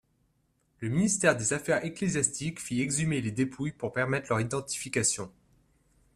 Le Ministre des affaires ecclésiastiques fit exhumer les dépouilles pour permettre leur identification.